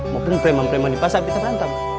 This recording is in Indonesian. maupun preman preman di pasar bete berantem